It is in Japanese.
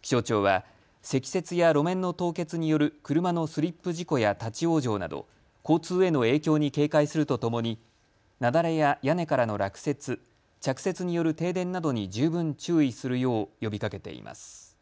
気象庁は積雪や路面の凍結による車のスリップ事故や立往生など交通への影響に警戒するとともに雪崩や屋根からの落雪、着雪による停電などに十分注意するよう呼びかけています。